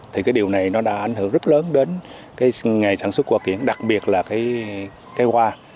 thì cái điều này nó đã ảnh hưởng rất lớn đến cái nghề sản xuất hoa kiển đặc biệt là cái cây hoa